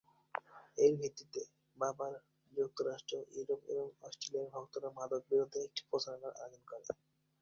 এর ভিত্তিতে, বাবার যুক্তরাষ্ট্র, ইউরোপ এবং অস্ট্রেলিয়ার ভক্তরা মাদক বিরোধী একটি প্রচারণার আয়োজন করে।